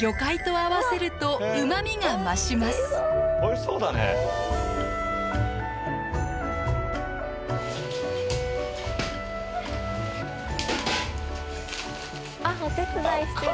あお手伝いしてる。